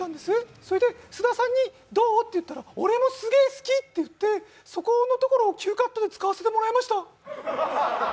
それで菅田さんに「どう？」って言ったら、俺もすげえ好きって言って、そこのところをＱカットで使わせてもらいました。